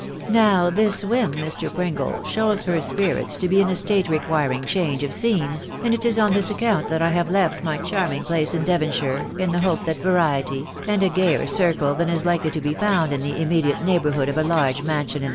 Now this whim, Mr. Pringle, shows her spirits to be in a state requiring change of scene, and it is on this account that I have left my charming place in Devonshire, in the hope that variety, and a gayer circle than is likely to be found in live Vkk&&<\\&\& \&V^taNs~ THB WIDOW BABNABY.